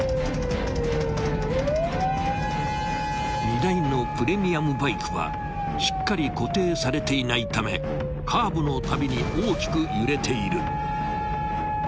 ［荷台のプレミアムバイクはしっかり固定されていないためカーブのたびに大きく揺れている］